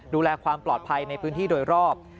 ดูแลความปลอดภัยในพื้นที่โดยรอบ